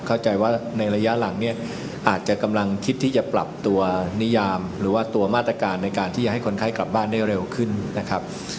เข้าใจว่าในระยะหลังเนี่ยอาจจะกำลังคิดที่จะปรับตัวนิยามหรือว่าตัวมาตรการในการที่จะให้คนไข้กลับบ้านได้เร็วขึ้นนะครับ